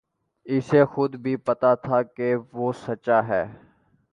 اسے خود بھی پتہ تھا کہ وہ سچا ہے